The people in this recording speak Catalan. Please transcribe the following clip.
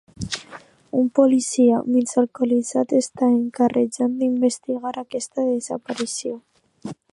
Un policia, mig alcoholitzat, està encarregat d'investigar aquesta desaparició.